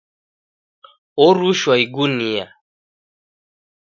Orushwa igunia